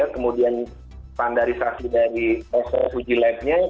kemudian spandarisasi dari proses uji labnya